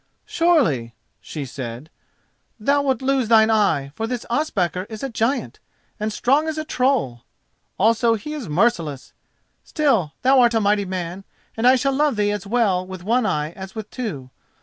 "Surely," she said, "thou wilt lose thine eye, for this Ospakar is a giant, and strong as a troll; also he is merciless. Still, thou art a mighty man, and I shall love thee as well with one eye as with two.